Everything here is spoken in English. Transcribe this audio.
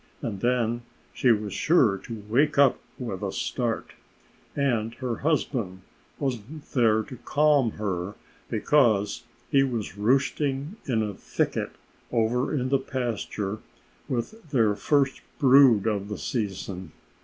And then she was sure to wake up with a start. And her husband wasn't there to calm her, because he was roosting in a thicket over in the pasture with their first brood of the season.